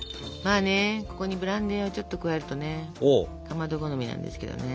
ここにブランデーをちょっと加えるとねかまど好みなんですけどね。